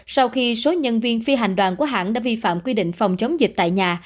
sau khi số nhân viên phi hành đoàn của hãng đã vi phạm quy định phòng chống dịch tại nhà